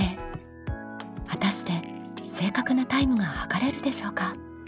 果たして正確なタイムが測れるでしょうか？